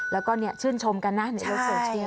แล้วก็ชื่นชมกันนะในโลกโซเชียล